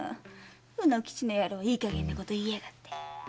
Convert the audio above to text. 卯之吉の野郎いい加減なこと言いやがって。